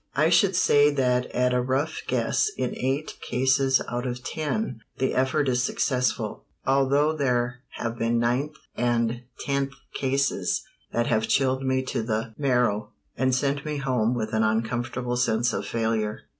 I should say that at a rough guess in eight cases out of ten the effort is successful, although there have been ninth and tenth cases that have chilled me to the marrow, and sent me home with an uncomfortable sense of failure.